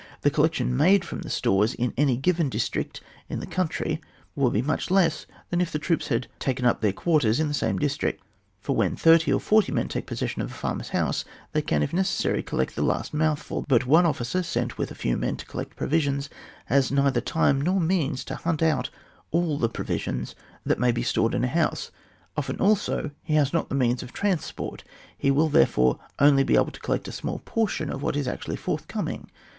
The collection made £rom the stores in any given district in the country will be much less than if the troops had taken up their quarters in the same district, for when thirty or forty men take possession of a farmer's house they can if necessary coUect the last mouthful, but one officer sent with a few men to collect provisions has neither time nor means to hunt out aU the pro visions that may be stored in a house, often also he has not the means of trans port; he will therefore only be able to col lect a small proportion of what is actually forthcoming.